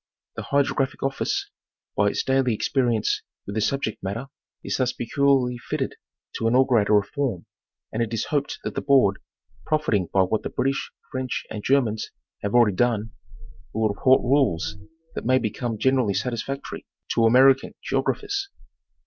The Hydrographic Office, by its daily experience with the sub ject matter, is thus peculiarly fitted to maugurate a reform, and it is hoped that the board, profiting by what the British, French 268 National Geographic Magazine. and Germans have already done, will report rules, that may become generally satisfactory to American geographers.